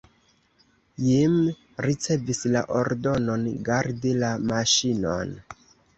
Jim ricevis la ordonon gardi la maŝinon.